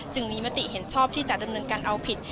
จึงมีมติเห็นชอบที่จะดำเนินการเอาผิด